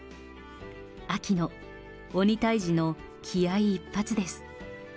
秋野、鬼退治の気合い一発です。